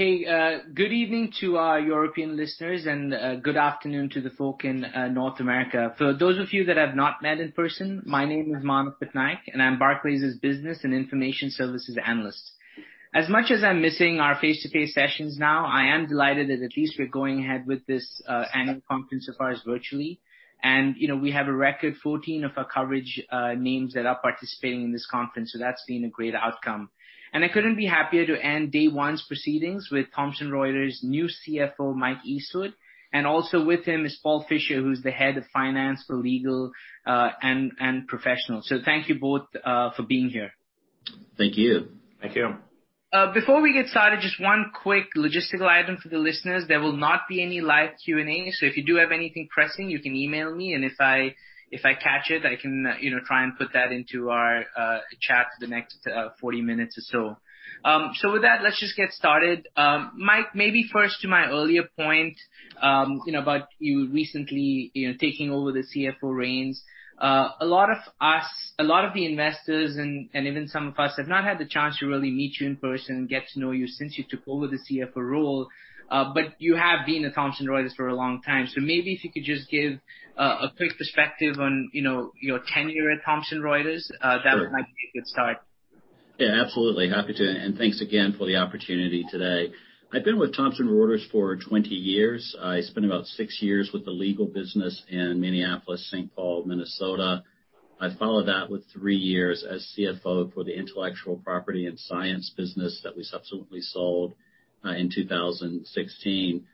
Okay, good evening to our European listeners, and good afternoon to the folk in North America. For those of you that have not met in person, my name is Manav Patnaik, and I'm Barclays' Business and Information Services Analyst. As much as I'm missing our face-to-face sessions now, I am delighted that at least we're going ahead with this annual conference so far as virtually, and we have a record 14 of our coverage names that are participating in this conference, so that's been a great outcome, and I couldn't be happier to end day one's proceedings with Thomson Reuters' new CFO, Mike Eastwood, and also with him is Paul Fischer, who's the head of finance for Legal Professional, so thank you both for being here. Thank you. Thank you. Before we get started, just one quick logistical item for the listeners. There will not be any live Q&A, so if you do have anything pressing, you can email me, and if I catch it, I can try and put that into our chat for the next 40 minutes or so. With that, let's just get started. Mike, maybe first to my earlier point about you recently taking over the CFO reins. A lot of us, a lot of the investors, and even some of us have not had the chance to really meet you in person, get to know you since you took over the CFO role, but you have been at Thomson Reuters for a long time, so maybe if you could just give a quick perspective on your tenure at Thomson Reuters, that might be a good start. Yeah, absolutely. Happy to and thanks again for the opportunity today. I've been with Thomson Reuters for 20 years. I spent about six years with the legal business in Minneapolis, Saint Paul, Minnesota. I followed that with three years as CFO for the Intellectual Property and Science Business that we subsequently sold in 2016.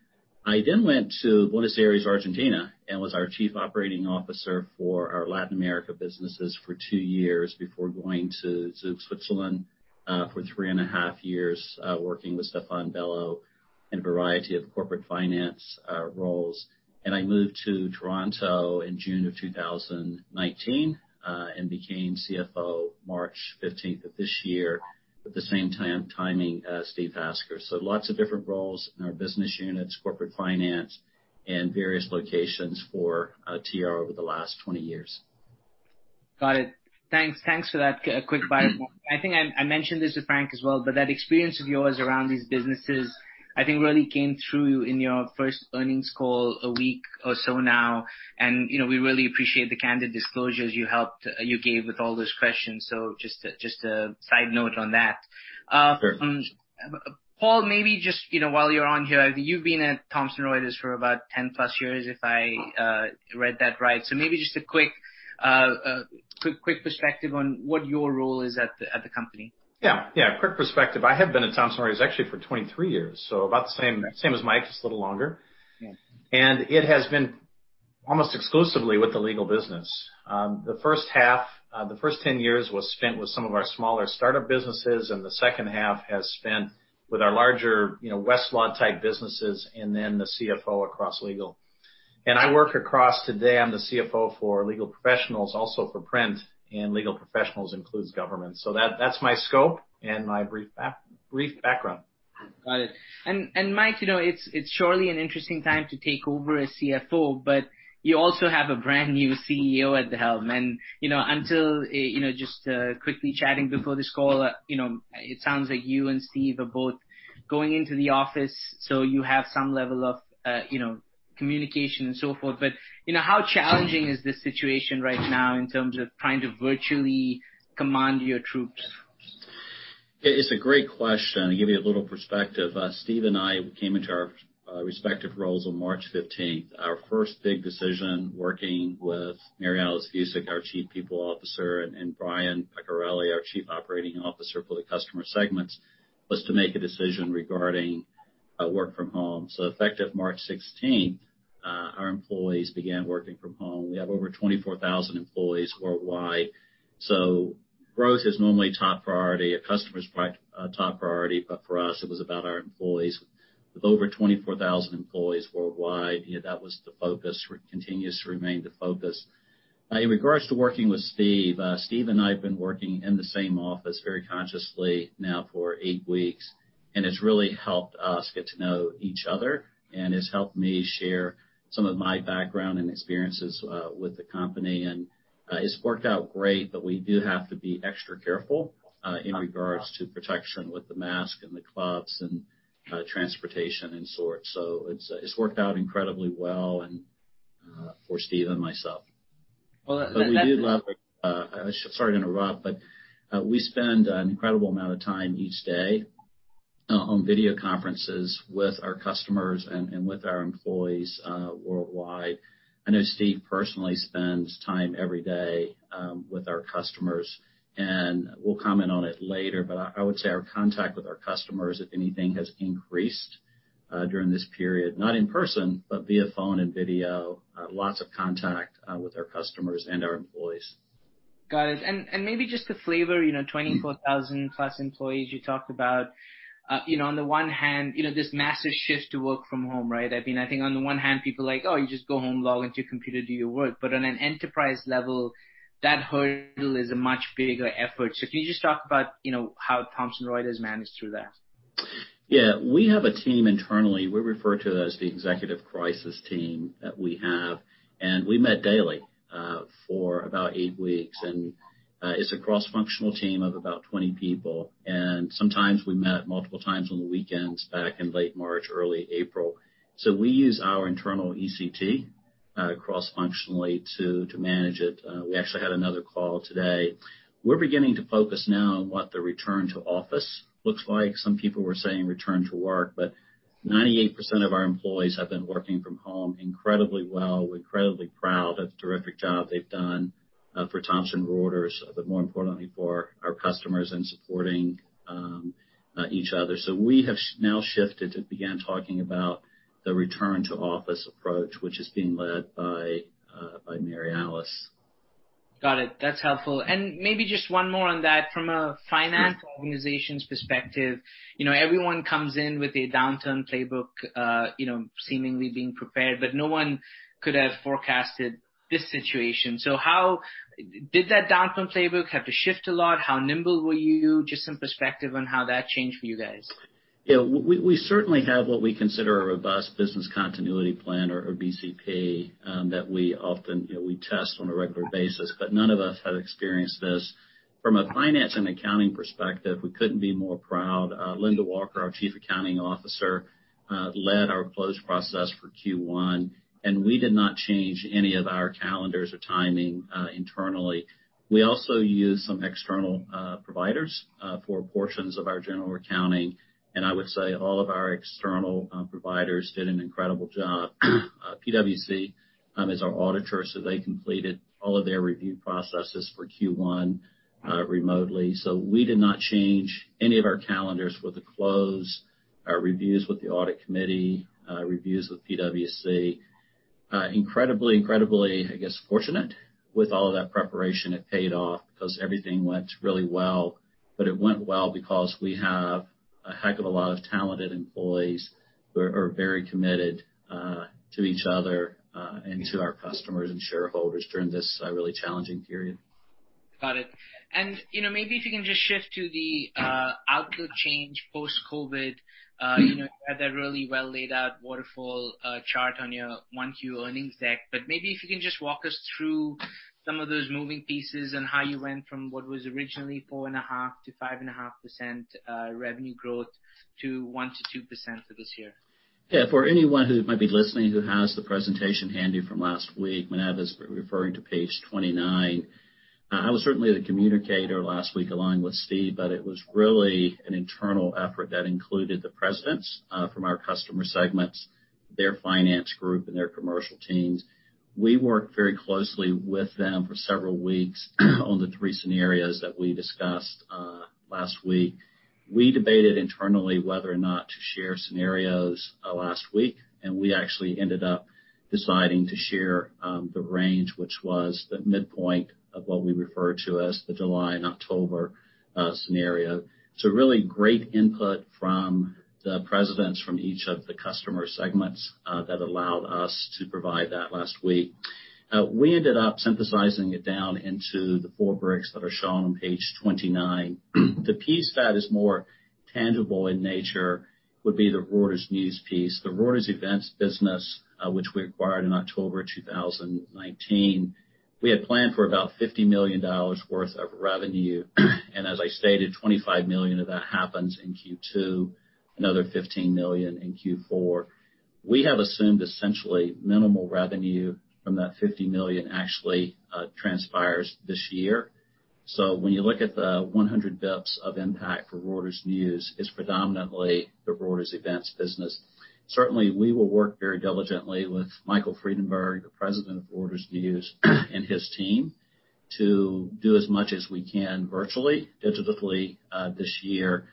I then went to Buenos Aires, Argentina, and was our Chief Operating Officer for our Latin America businesses for two years before going to Switzerland for three and a half years, working with Stephane Bello in a variety of corporate finance roles and I moved to Toronto in June of 2019 and became CFO March 15th of this year, at the same time timing Steve Hasker, so lots of different roles in our business units, corporate finance, and various locations for TR over the last 20 years. Got it. Thanks for that quick bit of breadth. I think I mentioned this to Frank as well, but that experience of yours around these businesses, I think, really came through in your first earnings call a week or so now, and we really appreciate the candid disclosures you gave with all those questions, so just a side note on that. Sure. Paul, maybe just while you're on here, you've been at Thomson Reuters for about 10+ years, if I read that right. So maybe just a quick perspective on what your role is at the company. Yeah, yeah. Quick perspective. I have been at Thomson Reuters actually for 23 years, so about the same as Mike, just a little longer, and it has been almost exclusively with the legal business. The first half, the first 10 years was spent with some of our smaller startup businesses, and the second half has spent with our larger Westlaw type businesses and then the CFO across legal, and I work across today. I'm the CFO for legal professionals, also for print, and legal professionals includes government, so that's my scope and my brief background. Got it, and Mike, it's surely an interesting time to take over as CFO, but you also have a brand new CEO at the helm, and until just quickly chatting before this call, it sounds like you and Steve are both going into the office, so you have some level of communication and so forth, but how challenging is this situation right now in terms of trying to virtually command your troops? It's a great question. I'll give you a little perspective. Steve and I came into our respective roles on March 15th. Our first big decision working with Mary Alice Vuicic, our Chief People Officer, and Brian Peccarelli, our Chief Operating Officer for the customer segments, was to make a decision regarding work from home, so effective March 16th, our employees began working from home. We have over 24,000 employees worldwide, so growth is normally top priority. A customer is top priority, but for us, it was about our employees. With over 24,000 employees worldwide, that was the focus or continues to remain the focus. In regards to working with Steve, Steve and I have been working in the same office very consciously now for eight weeks, and it's really helped us get to know each other and has helped me share some of my background and experiences with the company. And it's worked out great, but we do have to be extra careful in regards to protection with the mask and the gloves and transportation and sorts. So it's worked out incredibly well for Steve and myself. But we do love, sorry to interrupt, but we spend an incredible amount of time each day on video conferences with our customers and with our employees worldwide. I know Steve personally spends time every day with our customers, and we'll comment on it later, but I would say our contact with our customers, if anything, has increased during this period, not in person, but via phone and video. Lots of contact with our customers and our employees. Got it. And maybe just to flavor, 24,000+ employees you talked about. On the one hand, this massive shift to work from home, right? I mean, I think on the one hand, people are like, "Oh, you just go home, log into your computer, do your work." But on an enterprise level, that hurdle is a much bigger effort. So can you just talk about how Thomson Reuters managed through that? Yeah. We have a team internally. We refer to that as the executive crisis team that we have, and we met daily for about eight weeks, and it's a cross-functional team of about 20 people, and sometimes we met multiple times on the weekends back in late March, early April, so we use our internal ECT cross-functionally to manage it. We actually had another call today. We're beginning to focus now on what the return to office looks like. Some people were saying return to work, but 98% of our employees have been working from home incredibly well. We're incredibly proud of the terrific job they've done for Thomson Reuters, but more importantly for our customers and supporting each other, so we have now shifted to begin talking about the return to office approach, which is being led by Mary Alice. Got it. That's helpful. And maybe just one more on that. From a finance organization's perspective, everyone comes in with a downturn playbook, seemingly being prepared, but no one could have forecasted this situation. So did that downturn playbook have to shift a lot? How nimble were you? Just some perspective on how that changed for you guys. Yeah. We certainly have what we consider a robust business continuity plan, or BCP, that we test on a regular basis, but none of us have experienced this. From a finance and accounting perspective, we couldn't be more proud. Linda Walker, our Chief Accounting Officer, led our close process for Q1, and we did not change any of our calendars or timing internally. We also used some external providers for portions of our general accounting, and I would say all of our external providers did an incredible job. PwC is our auditor, so they completed all of their review processes for Q1 remotely. So we did not change any of our calendars for the close, our reviews with the audit committee, reviews with PwC. Incredibly, incredibly, I guess, fortunate with all of that preparation, it paid off because everything went really well. But it went well because we have a heck of a lot of talented employees who are very committed to each other and to our customers and shareholders during this really challenging period. Got it. And maybe if you can just shift to the outlook change post-COVID, you had that really well-laid out waterfall chart on your one-year earnings deck. But maybe if you can just walk us through some of those moving pieces and how you went from what was originally 4.5%-5.5% revenue growth to 1%-2% for this year. Yeah. For anyone who might be listening who has the presentation handy from last week, when I was referring to page 29, I was certainly the communicator last week along with Steve, but it was really an internal effort that included the presidents from our customer segments, their finance group, and their commercial teams. We worked very closely with them for several weeks on the three scenarios that we discussed last week. We debated internally whether or not to share scenarios last week, and we actually ended up deciding to share the range, which was the midpoint of what we refer to as the July and October scenario. So really great input from the presidents from each of the customer segments that allowed us to provide that last week. We ended up synthesizing it down into the four bricks that are shown on page 29. The piece that is more tangible in nature would be the Reuters News piece, the Reuters Events business, which we acquired in October 2019. We had planned for about $50 million worth of revenue, and as I stated, $25 million of that happens in Q2, another $15 million in Q4. We have assumed essentially minimal revenue from that $50 million actually transpires this year. So when you look at the 100 basis points of impact for Reuters News, it's predominantly the Reuters Events business. Certainly, we will work very diligently with Michael Friedenberg, the President of Reuters News, and his team to do as much as we can virtually, digitally this year.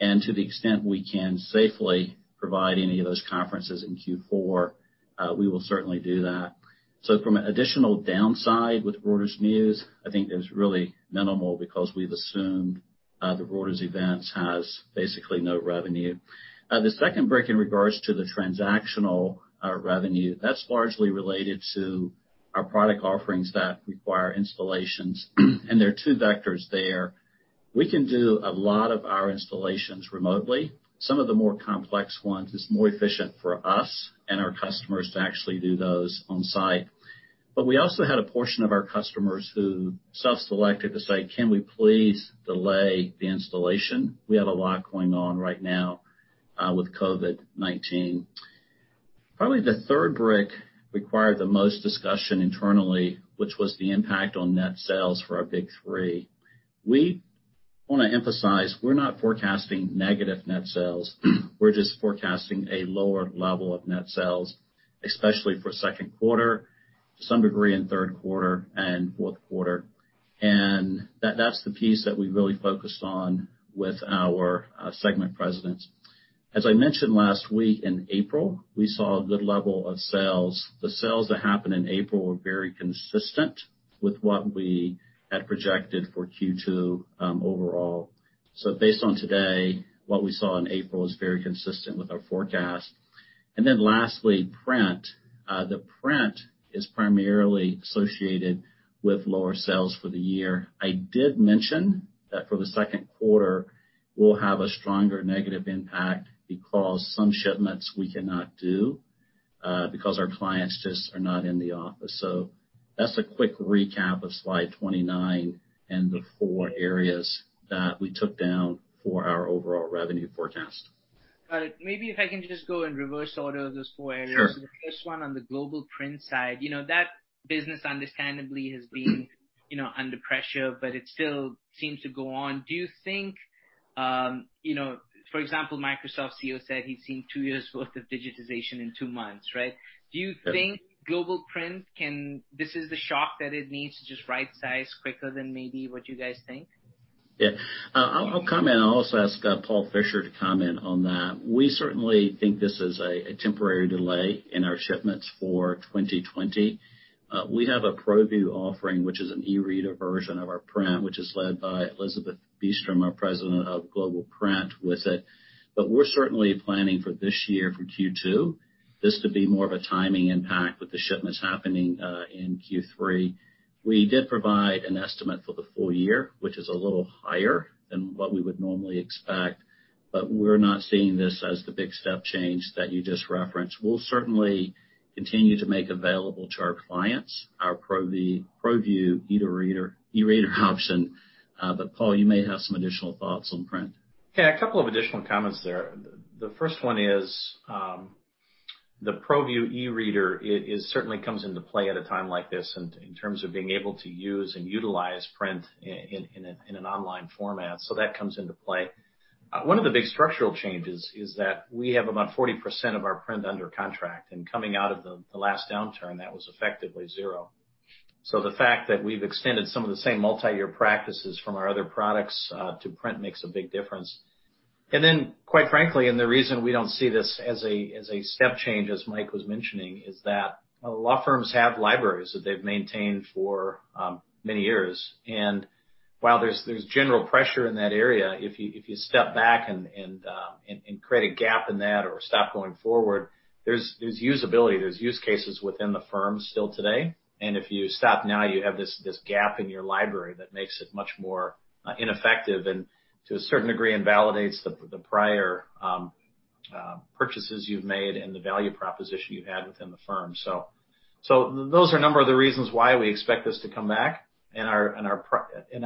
And to the extent we can safely provide any of those conferences in Q4, we will certainly do that. So from an additional downside with Reuters News, I think there's really minimal because we've assumed the Reuters Events has basically no revenue. The second brick in regards to the transactional revenue, that's largely related to our product offerings that require installations, and there are two vectors there. We can do a lot of our installations remotely. Some of the more complex ones is more efficient for us and our customers to actually do those on site. But we also had a portion of our customers who self-selected to say, "Can we please delay the installation?" We have a lot going on right now with COVID-19. Probably the third brick required the most discussion internally, which was the impact on net sales for our big three. We want to emphasize we're not forecasting negative net sales. We're just forecasting a lower level of net sales, especially for second quarter, to some degree in third quarter and fourth quarter. And that's the piece that we really focused on with our segment presidents. As I mentioned last week, in April, we saw a good level of sales. The sales that happened in April were very consistent with what we had projected for Q2 overall. So based on today, what we saw in April is very consistent with our forecast. And then lastly, print. The print is primarily associated with lower sales for the year. I did mention that for the second quarter, we'll have a stronger negative impact because some shipments we cannot do because our clients just are not in the office. So that's a quick recap of slide 29 and the four areas that we took down for our overall revenue forecast. Got it. Maybe if I can just go in reverse order of those four areas. Sure. The first one on the Global Print side, that business understandably has been under pressure, but it still seems to go on. Do you think, for example, Microsoft CEO said he'd seen two years' worth of digitization in two months, right? Do you think Global Print can? This is the shock that it needs to just right-size quicker than maybe what you guys think? Yeah. I'll comment. I'll also ask Paul Fischer to comment on that. We certainly think this is a temporary delay in our shipments for 2020. We have a ProView offering, which is an e-reader version of our print, which is led by Elizabeth Beastrom, our President of Global Print with it. But we're certainly planning for this year for Q2, this to be more of a timing impact with the shipments happening in Q3. We did provide an estimate for the full year, which is a little higher than what we would normally expect, but we're not seeing this as the big step change that you just referenced. We'll certainly continue to make available to our clients our ProView e-reader option. But Paul, you may have some additional thoughts on print. Yeah. A couple of additional comments there. The first one is the ProView e-reader certainly comes into play at a time like this in terms of being able to use and utilize print in an online format. So that comes into play. One of the big structural changes is that we have about 40% of our print under contract, and coming out of the last downturn, that was effectively zero. So the fact that we've extended some of the same multi-year practices from our other products to print makes a big difference. And then, quite frankly, and the reason we don't see this as a step change, as Mike was mentioning, is that law firms have libraries that they've maintained for many years. And while there's general pressure in that area, if you step back and create a gap in that or stop going forward, there's usability. There's use cases within the firm still today. And if you stop now, you have this gap in your library that makes it much more ineffective and, to a certain degree, invalidates the prior purchases you've made and the value proposition you had within the firm. So those are a number of the reasons why we expect this to come back. And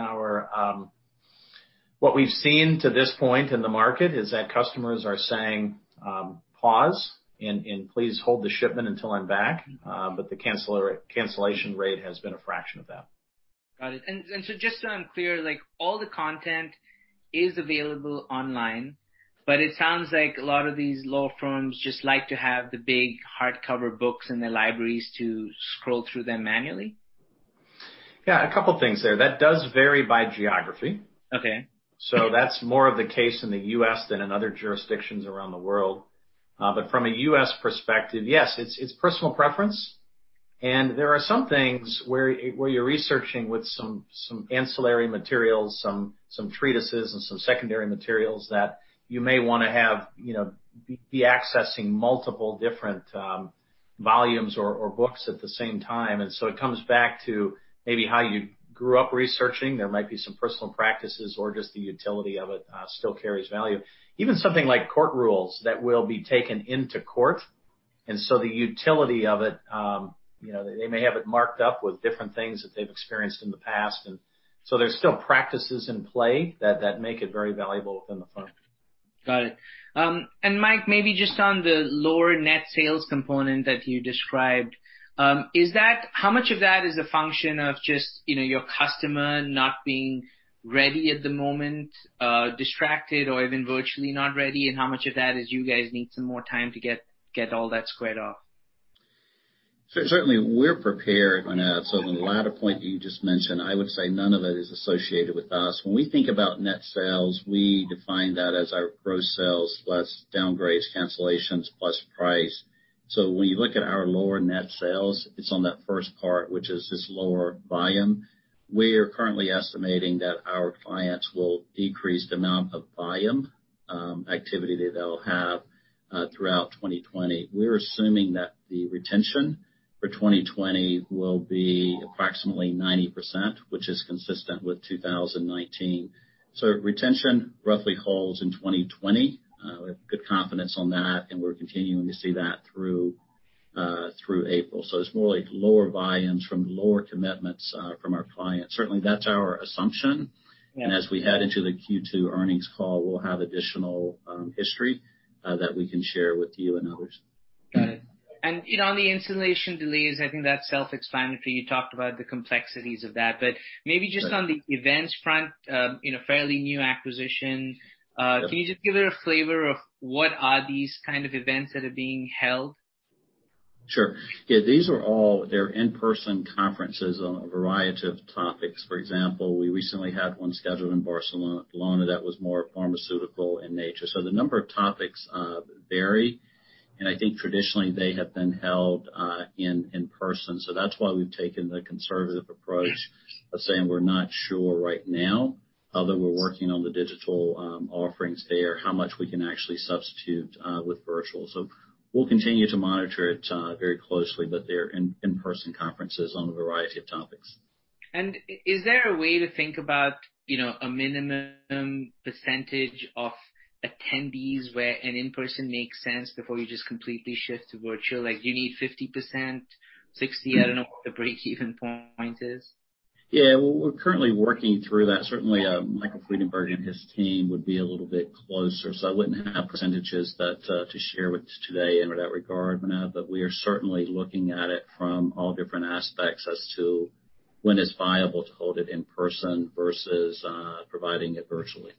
what we've seen to this point in the market is that customers are saying, "Pause," and, "Please hold the shipment until I'm back." But the cancellation rate has been a fraction of that. Got it. And so just so I'm clear, all the content is available online, but it sounds like a lot of these law firms just like to have the big hardcover books in their libraries to scroll through them manually. Yeah. A couple of things there. That does vary by geography. So that's more of the case in the U.S. than in other jurisdictions around the world. But from a U.S. perspective, yes, it's personal preference. And there are some things where you're researching with some ancillary materials, some treatises, and some secondary materials that you may want to have be accessing multiple different volumes or books at the same time. And so it comes back to maybe how you grew up researching. There might be some personal practices or just the utility of it still carries value. Even something like court rules that will be taken into court. And so the utility of it, they may have it marked up with different things that they've experienced in the past. And so there's still practices in play that make it very valuable within the firm. Got it. And Mike, maybe just on the lower net sales component that you described, how much of that is a function of just your customer not being ready at the moment, distracted, or even virtually not ready? And how much of that is you guys need some more time to get all that squared off? Certainly, we're prepared. So the latter point you just mentioned, I would say none of it is associated with us. When we think about net sales, we define that as our gross sales plus downgrades, cancellations plus price. So when you look at our lower net sales, it's on that first part, which is this lower volume. We are currently estimating that our clients will decrease the amount of volume activity that they'll have throughout 2020. We're assuming that the retention for 2020 will be approximately 90%, which is consistent with 2019. So retention roughly holds in 2020. We have good confidence on that, and we're continuing to see that through April. So it's more like lower volumes from lower commitments from our clients. Certainly, that's our assumption. And as we head into the Q2 earnings call, we'll have additional history that we can share with you and others. Got it. And on the installation delays, I think that's self-explanatory. You talked about the complexities of that. But maybe just on the events front, fairly new acquisition. Can you just give a flavor of what are these kind of events that are being held? Sure. Yeah. These are all in-person conferences on a variety of topics. For example, we recently had one scheduled in Barcelona that was more pharmaceutical in nature, so the number of topics vary, and I think traditionally they have been held in person, so that's why we've taken the conservative approach of saying we're not sure right now, although we're working on the digital offerings there, how much we can actually substitute with virtual, so we'll continue to monitor it very closely, but they're in-person conferences on a variety of topics. Is there a way to think about a minimum percentage of attendees where an in-person makes sense before you just completely shift to virtual? Do you need 50%, 60%? I don't know what the break-even point is. Yeah. We're currently working through that. Certainly, Michael Friedenberg and his team would be a little bit closer. So I wouldn't have percentages to share with today in that regard. But we are certainly looking at it from all different aspects as to when it's viable to hold it in person versus providing it virtually.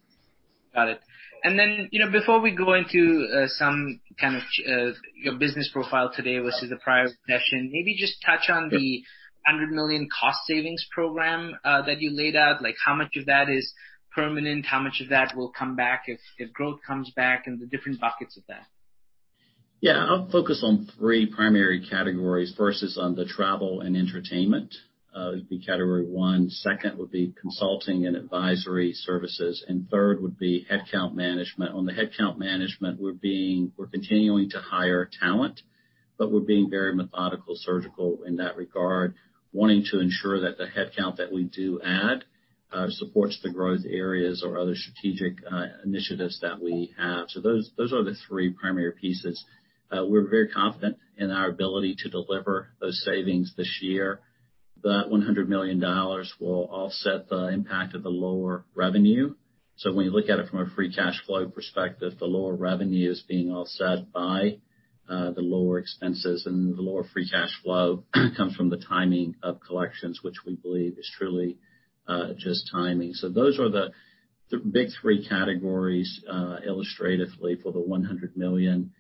Got it. And then before we go into some kind of your business profile today versus the prior session, maybe just touch on the $100 million cost savings program that you laid out. How much of that is permanent? How much of that will come back if growth comes back and the different buckets of that? Yeah. I'll focus on three primary categories versus on the travel and entertainment. It would be category one. Second would be consulting and advisory services. And third would be headcount management. On the headcount management, we're continuing to hire talent, but we're being very methodical, surgical in that regard, wanting to ensure that the headcount that we do add supports the growth areas or other strategic initiatives that we have. So those are the three primary pieces. We're very confident in our ability to deliver those savings this year. That $100 million will offset the impact of the lower revenue. So when you look at it from a free cash flow perspective, the lower revenue is being offset by the lower expenses. And the lower free cash flow comes from the timing of collections, which we believe is truly just timing. So those are the big three categories illustratively for the $100 million.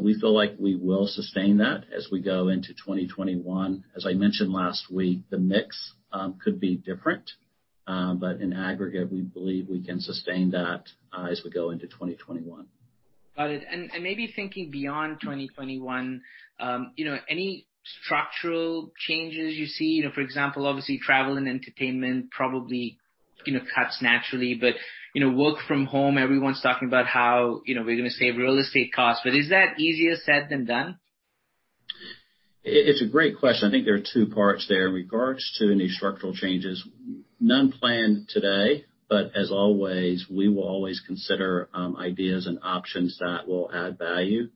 We feel like we will sustain that as we go into 2021. As I mentioned last week, the mix could be different. But in aggregate, we believe we can sustain that as we go into 2021. Got it. And maybe thinking beyond 2021, any structural changes you see? For example, obviously, travel and entertainment probably cuts naturally. But work from home, everyone's talking about how we're going to save real estate costs. But is that easier said than done? It's a great question. I think there are two parts there in regards to any structural changes. None planned today, but as always, we will always consider ideas and options that will add value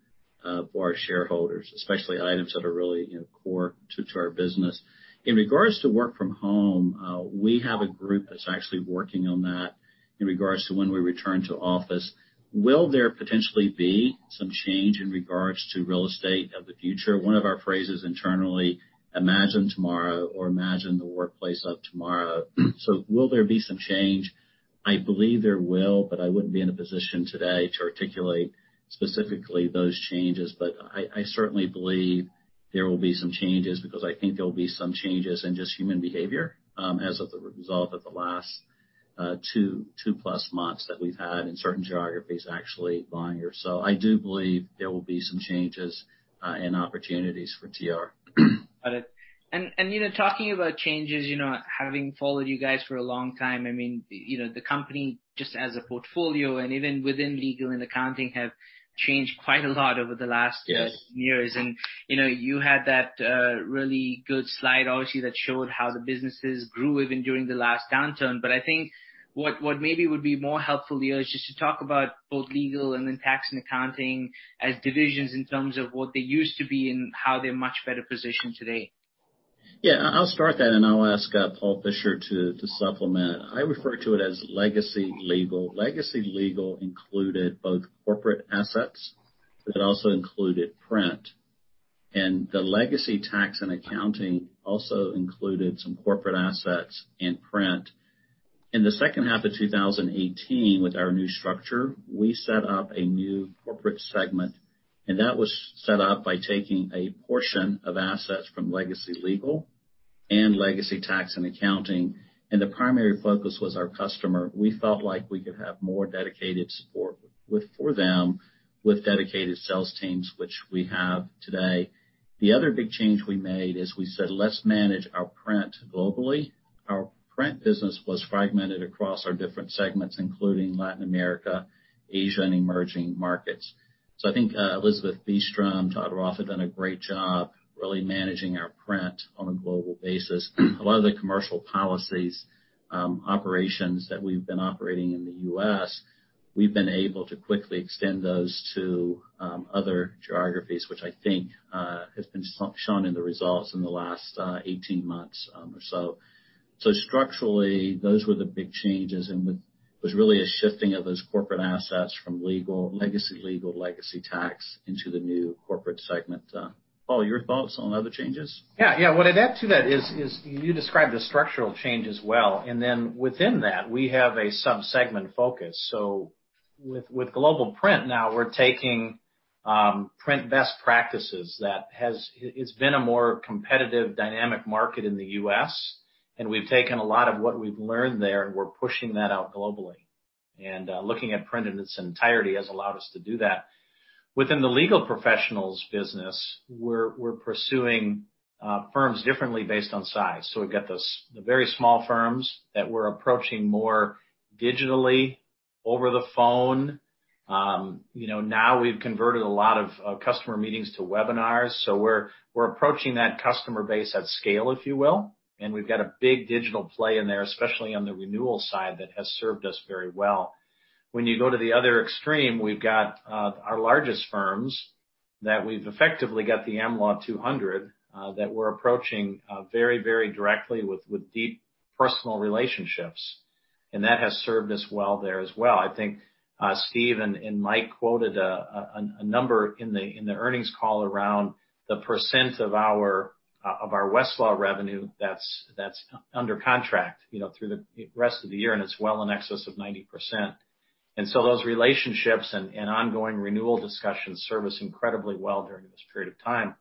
for our shareholders, especially items that are really core to our business. In regards to work from home, we have a group that's actually working on that in regards to when we return to office. Will there potentially be some change in regards to real estate of the future? One of our phrases internally, "Imagine tomorrow" or "Imagine the workplace of tomorrow." So will there be some change? I believe there will, but I wouldn't be in a position today to articulate specifically those changes. But I certainly believe there will be some changes because I think there will be some changes in just human behavior as a result of the last two-plus months that we've had in certain geographies, actually longer. So I do believe there will be some changes and opportunities for TR. Got it, and talking about changes, having followed you guys for a long time, I mean, the company just has a portfolio and even within legal and accounting have changed quite a lot over the last years, and you had that really good slide, obviously, that showed how the businesses grew even during the last downturn, but I think what maybe would be more helpful here is just to talk about both legal and then tax and accounting as divisions in terms of what they used to be and how they're much better positioned today. Yeah. I'll start that, and I'll ask Paul Fischer to supplement. I refer to it as legacy legal. Legacy legal included both corporate assets that also included print. The legacy tax and accounting also included some corporate assets and print. In the second half of 2018, with our new structure, we set up a new corporate segment. That was set up by taking a portion of assets from legacy legal and legacy tax and accounting. The primary focus was our customer. We felt like we could have more dedicated support for them with dedicated sales teams, which we have today. The other big change we made is we said, "Let's manage our print globally." Our print business was fragmented across our different segments, including Latin America, Asia, and emerging markets. So I think Elizabeth Beastrom, Todd Roth have done a great job really managing our print on a global basis. A lot of the commercial policies, operations that we've been operating in the U.S., we've been able to quickly extend those to other geographies, which I think has been shown in the results in the last 18 months or so. So structurally, those were the big changes. And it was really a shifting of those corporate assets from legacy legal, legacy tax into the new corporate segment. Paul, your thoughts on other changes? Yeah. Yeah. What I'd add to that is you described the structural change as well, and then within that, we have a subsegment focus. With Global Print now, we're taking print best practices. It's been a more competitive, dynamic market in the U.S., and we've taken a lot of what we've learned there and we're pushing that out globally, and looking at print in its entirety has allowed us to do that. Within the Legal Professionals business, we're pursuing firms differently based on size, so we've got the very small firms that we're approaching more digitally over the phone. Now we've converted a lot of customer meetings to webinars, so we're approaching that customer base at scale, if you will. And we've got a big digital play in there, especially on the renewal side that has served us very well. When you go to the other extreme, we've got our largest firms that we've effectively got the Am Law 200 that we're approaching very, very directly with deep personal relationships, and that has served us well there as well. I think Steve and Mike quoted a number in the earnings call around the percent of our Westlaw revenue that's under contract through the rest of the year, and it's well in excess of 90%, and so those relationships and ongoing renewal discussions serve us incredibly well during this period of time,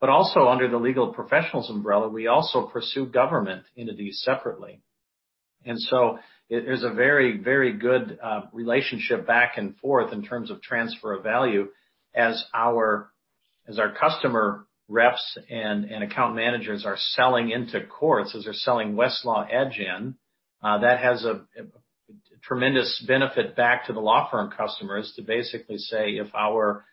but also under the legal professionals umbrella, we also pursue government entities separately, and so there's a very, very good relationship back and forth in terms of transfer of value as our customer reps and account managers are selling into courts as they're selling Westlaw Edge in. That has a tremendous benefit back to the law firm customers to basically say, "If our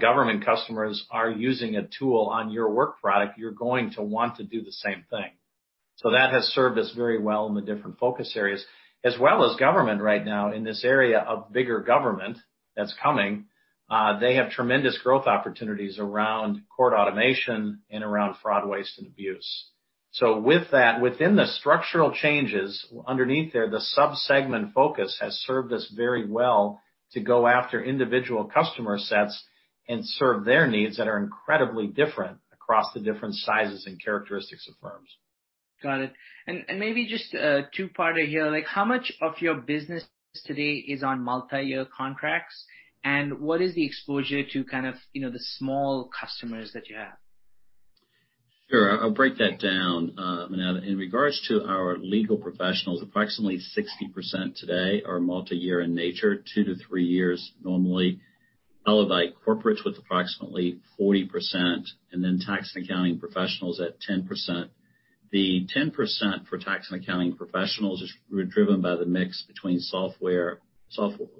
government customers are using a tool on your work product, you're going to want to do the same thing." So that has served us very well in the different focus areas. As well as government right now in this area of bigger government that's coming, they have tremendous growth opportunities around court automation and around fraud, waste, and abuse. So with that, within the structural changes underneath there, the subsegment focus has served us very well to go after individual customer sets and serve their needs that are incredibly different across the different sizes and characteristics of firms. Got it. And maybe just a two-parter here. How much of your business today is on multi-year contracts? And what is the exposure to kind of the small customers that you have? Sure. I'll break that down. In regards to our legal professionals, approximately 60% today are multi-year in nature, two to three years normally, followed by Corporates with approximately 40%, and then Tax & Accounting Professionals at 10%. The 10% for Tax & Accounting Professionals is driven by the mix between software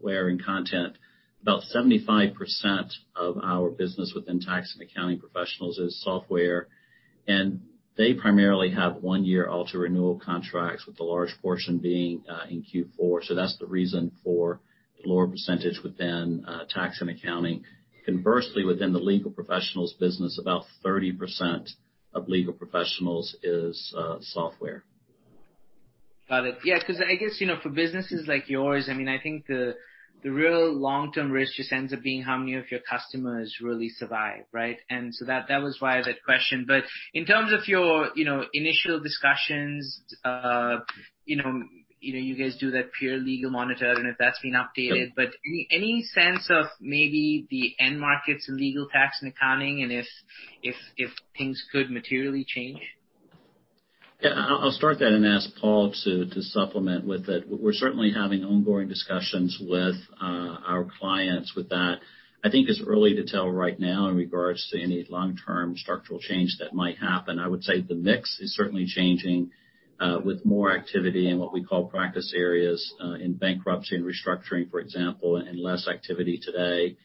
and content. About 75% of our business within Tax & Accounting Professionals is software. And they primarily have one-year annual renewal contracts with the large portion being in Q4. So that's the reason for the lower percentage within Tax & Accounting. Conversely, within the legal professionals business, about 30% of legal professionals is software. Got it. Yeah. Because I guess for businesses like yours, I mean, I think the real long-term risk just ends up being how many of your customers really survive, right? And so that was why I had that question. But in terms of your initial discussions, you guys do that Peer Monitor. I don't know if that's been updated. But any sense of maybe the end markets in legal tax and accounting and if things could materially change? Yeah. I'll start that and ask Paul to supplement with it. We're certainly having ongoing discussions with our clients with that. I think it's early to tell right now in regards to any long-term structural change that might happen. I would say the mix is certainly changing with more activity in what we call practice areas in bankruptcy and restructuring, for example, and less activity today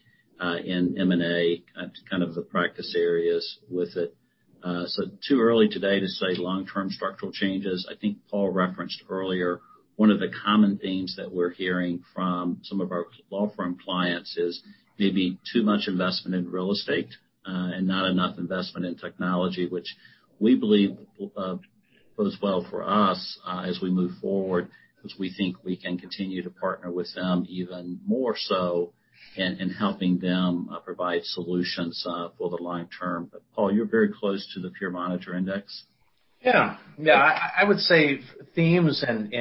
in M&A kind of the practice areas with it. So too early today to say long-term structural changes. I think Paul referenced earlier, one of the common themes that we're hearing from some of our law firm clients is maybe too much investment in real estate and not enough investment in technology, which we believe goes well for us as we move forward because we think we can continue to partner with them even more so in helping them provide solutions for the long term. But Paul, you're very close to the Peer Monitor Index. Yeah. Yeah. I would say themes and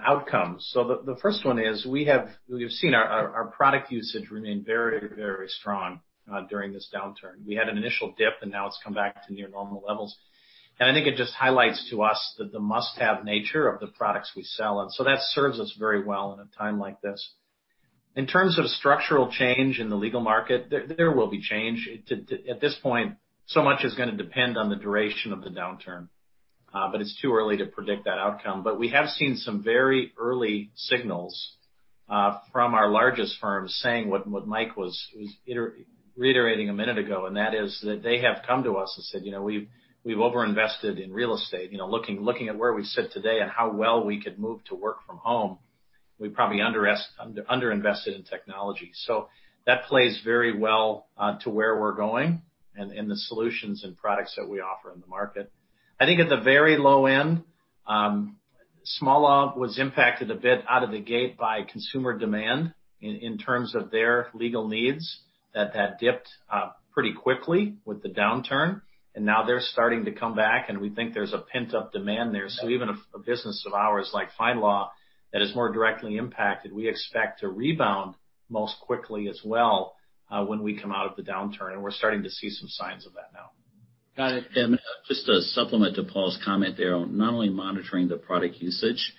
outcomes. So the first one is we have seen our product usage remain very, very strong during this downturn. We had an initial dip, and now it's come back to near normal levels. And I think it just highlights to us the must-have nature of the products we sell. And so that serves us very well in a time like this. In terms of structural change in the legal market, there will be change. At this point, so much is going to depend on the duration of the downturn. But it's too early to predict that outcome. But we have seen some very early signals from our largest firms saying what Mike was reiterating a minute ago, and that is that they have come to us and said, "We've overinvested in real estate. Looking at where we sit today and how well we could move to work from home, we probably underinvested in technology." So that plays very well to where we're going and the solutions and products that we offer in the market. I think at the very low end, Small Law was impacted a bit out of the gate by consumer demand in terms of their legal needs that had dipped pretty quickly with the downturn. And now they're starting to come back, and we think there's a pent-up demand there. So even a business of ours like FindLaw that is more directly impacted, we expect to rebound most quickly as well when we come out of the downturn. And we're starting to see some signs of that now. Got it. Just to supplement to Paul's comment there, not only monitoring the product usage,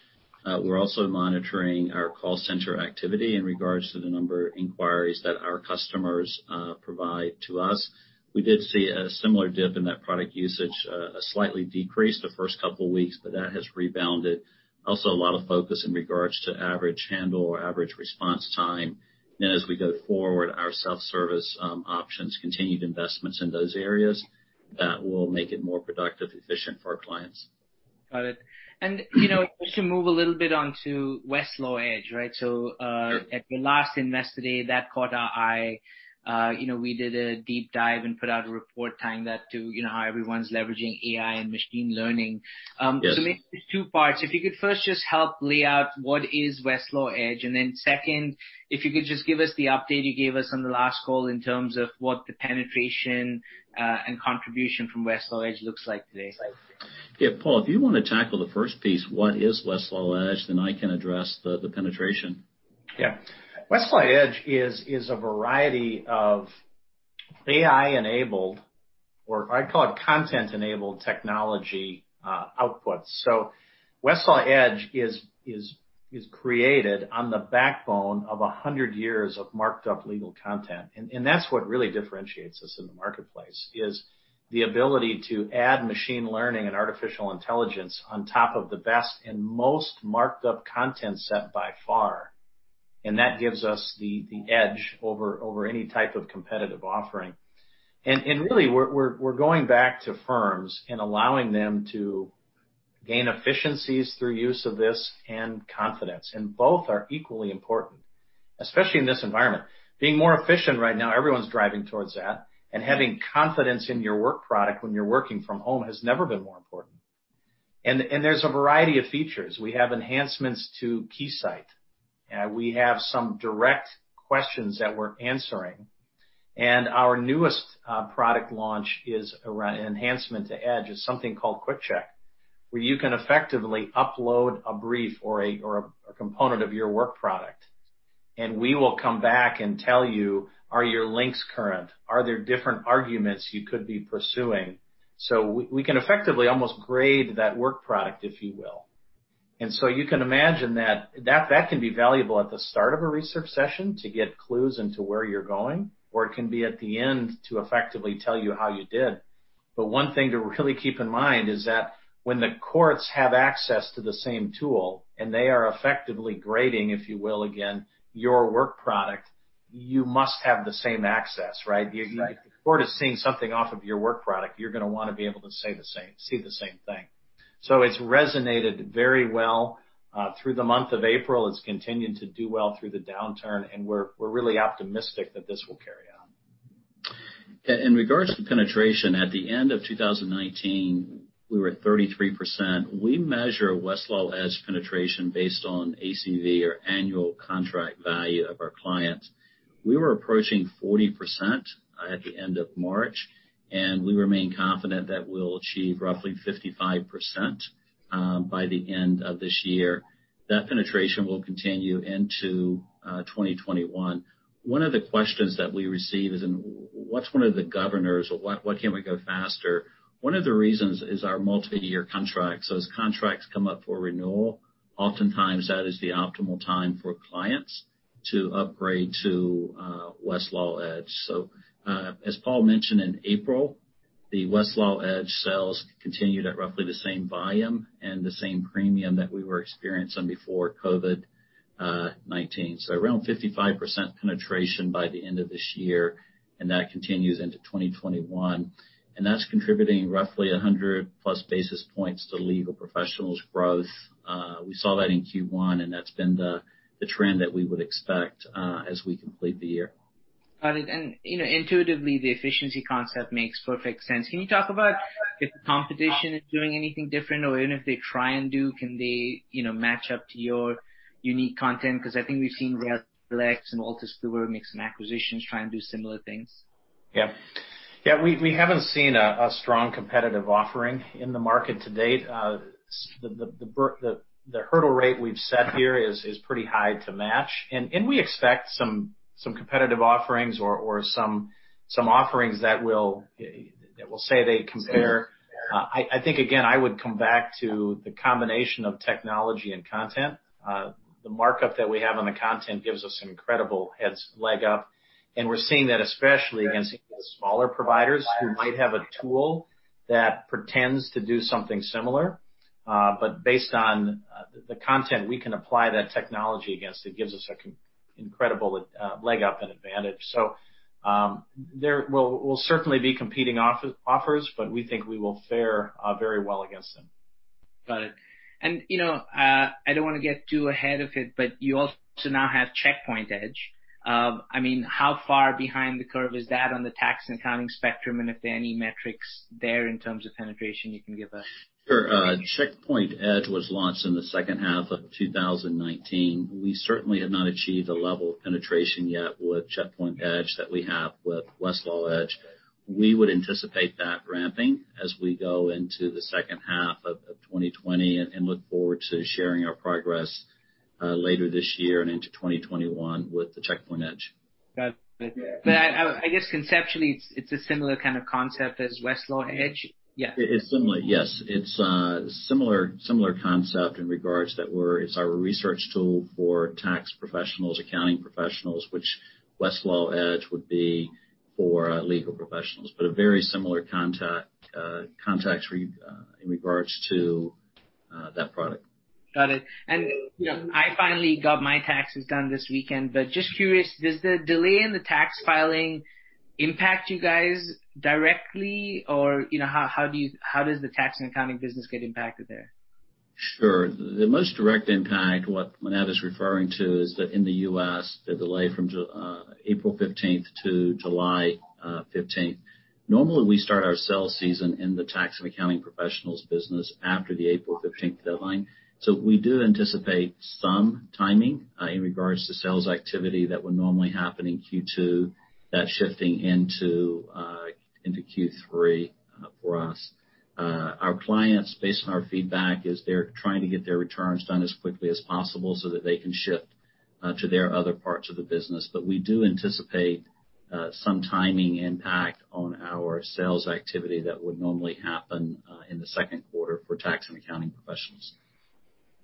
we're also monitoring our call center activity in regards to the number of inquiries that our customers provide to us. We did see a similar dip in that product usage, a slightly decreased the first couple of weeks, but that has rebounded. Also, a lot of focus in regards to average handle or average response time. And as we go forward, our self-service options, continued investments in those areas that will make it more productive, efficient for our clients. Got it. And we can move a little bit on to Westlaw Edge, right? So at the last Investor Day, that caught our eye. We did a deep dive and put out a report tying that to how everyone's leveraging AI and machine learning. So maybe just two parts. If you could first just help lay out what is Westlaw Edge, and then second, if you could just give us the update you gave us on the last call in terms of what the penetration and contribution from Westlaw Edge looks like today. Yeah. Paul, if you want to tackle the first piece, what is Westlaw Edge, then I can address the penetration. Yeah. Westlaw Edge is a variety of AI-enabled, or I'd call it content-enabled technology outputs. So Westlaw Edge is created on the backbone of 100 years of marked-up legal content. And that's what really differentiates us in the marketplace is the ability to add machine learning and artificial intelligence on top of the best and most marked-up content set by far. And that gives us the edge over any type of competitive offering. And really, we're going back to firms and allowing them to gain efficiencies through use of this and confidence. And both are equally important, especially in this environment. Being more efficient right now, everyone's driving towards that. And having confidence in your work product when you're working from home has never been more important. And there's a variety of features. We have enhancements to KeyCite. We have some direct questions that we're answering. Our newest product launch is an enhancement to Edge, something called Quick Check, where you can effectively upload a brief or a component of your work product. And we will come back and tell you, "Are your links current? Are there different arguments you could be pursuing?" So we can effectively almost grade that work product, if you will. And so you can imagine that that can be valuable at the start of a research session to get clues into where you're going, or it can be at the end to effectively tell you how you did. But one thing to really keep in mind is that when the courts have access to the same tool and they are effectively grading, if you will, again, your work product, you must have the same access, right? If the court is seeing something off of your work product, you're going to want to be able to see the same thing. So it's resonated very well through the month of April. It's continued to do well through the downturn. And we're really optimistic that this will carry on. In regards to penetration, at the end of 2019, we were at 33%. We measure Westlaw Edge penetration based on ACV, or Annual Contract Value of our clients. We were approaching 40% at the end of March, and we remain confident that we'll achieve roughly 55% by the end of this year. That penetration will continue into 2021. One of the questions that we receive is, "What's one of the governors or why can't we go faster?" One of the reasons is our multi-year contracts, so as contracts come up for renewal, oftentimes that is the optimal time for clients to upgrade to Westlaw Edge, so as Paul mentioned in April, the Westlaw Edge sales continued at roughly the same volume and the same premium that we were experiencing before COVID-19, so around 55% penetration by the end of this year, and that continues into 2021. That's contributing roughly 100+ basis points to legal professionals' growth. We saw that in Q1, and that's been the trend that we would expect as we complete the year. Got it. And intuitively, the efficiency concept makes perfect sense. Can you talk about if the competition is doing anything different or even if they try and do, can they match up to your unique content? Because I think we've seen RELX and Wolters Kluwer make some acquisitions trying to do similar things. Yeah. Yeah. We haven't seen a strong competitive offering in the market to date. The hurdle rate we've set here is pretty high to match, and we expect some competitive offerings or some offerings that will say they compare. I think, again, I would come back to the combination of technology and content. The markup that we have on the content gives us an incredible leg up, and we're seeing that especially against smaller providers who might have a tool that pretends to do something similar, but based on the content we can apply that technology against, it gives us an incredible leg up and advantage, so there will certainly be competing offers, but we think we will fare very well against them. Got it. And I don't want to get too ahead of it, but you also now have Checkpoint Edge. I mean, how far behind the curve is that on the tax and accounting spectrum? And if there are any metrics there in terms of penetration, you can give us. Sure. Checkpoint Edge was launched in the second half of 2019. We certainly have not achieved a level of penetration yet with Checkpoint Edge that we have with Westlaw Edge. We would anticipate that ramping as we go into the second half of 2020 and look forward to sharing our progress later this year and into 2021 with the Checkpoint Edge. Got it. But I guess conceptually, it's a similar kind of concept as Westlaw Edge? Yeah. It's similar. Yes. It's a similar concept in regards that it's our research tool for tax professionals, accounting professionals, which Westlaw Edge would be for legal professionals. But a very similar context in regards to that product. Got it. And I finally got my taxes done this weekend. But just curious, does the delay in the tax filing impact you guys directly? Or how does the tax and accounting business get impacted there? Sure. The most direct impact, what Manav is referring to, is that in the U.S., the delay from April 15th to July 15th. Normally, we start our sales season in the tax and accounting professionals' business after the April 15th deadline. So we do anticipate some timing in regards to sales activity that would normally happen in Q2, that shifting into Q3 for us. Our clients, based on our feedback, is they're trying to get their returns done as quickly as possible so that they can shift to their other parts of the business. But we do anticipate some timing impact on our sales activity that would normally happen in the second quarter for tax and accounting professionals.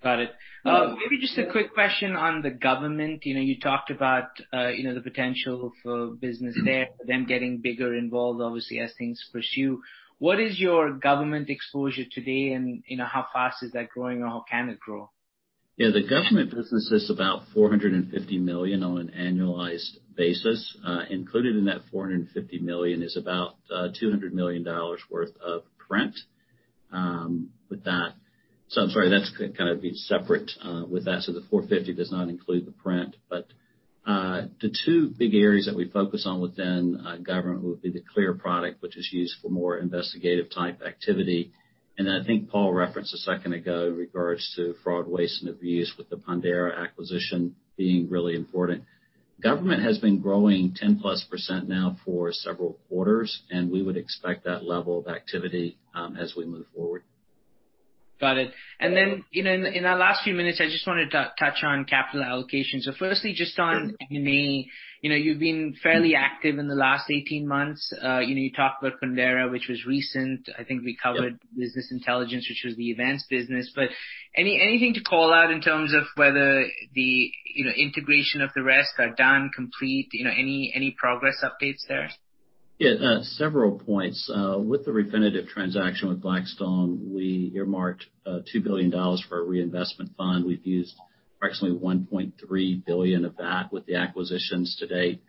Got it. Maybe just a quick question on the government. You talked about the potential for business there, them getting bigger involved, obviously, as things pursue. What is your government exposure today? And how fast is that growing? Or how can it grow? Yeah. The government business is about $450 million on an annualized basis. Included in that $450 million is about $200 million worth of print with that. So I'm sorry, that's kind of separate with that. So the $450 does not include the print. But the two big areas that we focus on within government would be the CLEAR product, which is used for more investigative-type activity. And I think Paul referenced a second ago in regards to fraud, waste, and abuse with the Pondera acquisition being really important. Government has been growing 10+% now for several quarters. And we would expect that level of activity as we move forward. Got it. And then in our last few minutes, I just wanted to touch on capital allocation. So firstly, just on M&A, you've been fairly active in the last 18 months. You talked about Pondera, which was recent. I think we covered Business Intelligence, which was the events business. But anything to call out in terms of whether the integration of the recent are done, complete? Any progress updates there? Yeah. Several points. With the Refinitiv transaction with Blackstone, we earmarked $2 billion for a reinvestment fund. We've used approximately $1.3 billion of that with the acquisitions to date.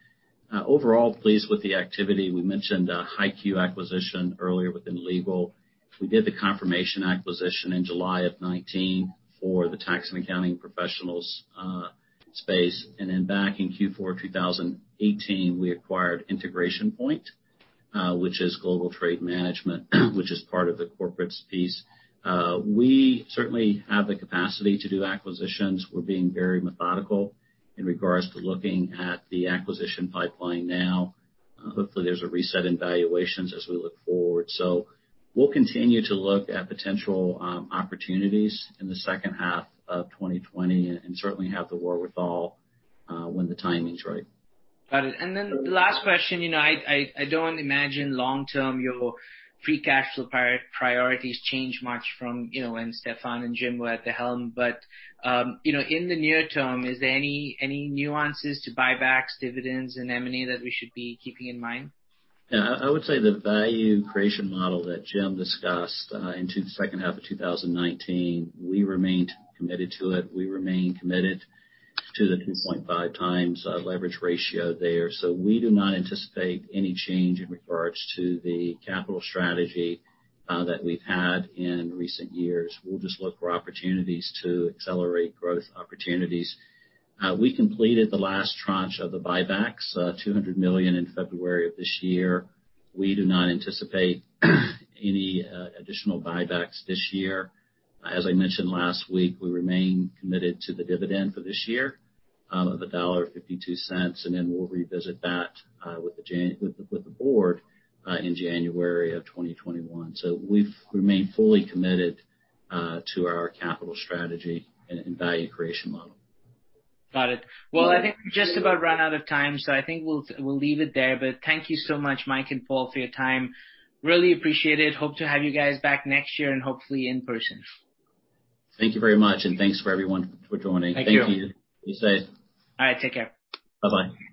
Overall, pleased with the activity. We mentioned a HighQ acquisition earlier within legal. We did the Confirmation acquisition in July of 2019 for the tax and accounting professionals' space. And then back in Q4 of 2018, we acquired Integration Point, which is Global Trade Management, which is part of the corporate piece. We certainly have the capacity to do acquisitions. We're being very methodical in regards to looking at the acquisition pipeline now. Hopefully, there's a reset in valuations as we look forward. So we'll continue to look at potential opportunities in the second half of 2020 and certainly have the wherewithal when the timing's right. Got it, and then the last question. I don't imagine long-term your free cash flow priorities change much from when Stephane and Jim were at the helm, but in the near term, is there any nuances to buybacks, dividends, and M&A that we should be keeping in mind? Yeah. I would say the value creation model that Jim discussed into the second half of 2019, we remained committed to it. We remain committed to the 2.5x leverage ratio there. So we do not anticipate any change in regards to the capital strategy that we've had in recent years. We'll just look for opportunities to accelerate growth opportunities. We completed the last tranche of the buybacks, $200 million in February of this year. We do not anticipate any additional buybacks this year. As I mentioned last week, we remain committed to the dividend for this year of $1.52. And then we'll revisit that with the board in January of 2021. So we've remained fully committed to our capital strategy and value creation model. Got it. Well, I think we just about run out of time. So I think we'll leave it there. But thank you so much, Mike and Paul, for your time. Really appreciate it. Hope to have you guys back next year and hopefully in person. Thank you very much, and thanks for everyone for joining. Thank you. Thank you. Have a good day. All right. Take care. Bye-bye.